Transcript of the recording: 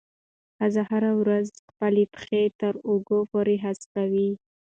ښځه هره ورځ خپل پښې تر اوږو پورې هسکوي.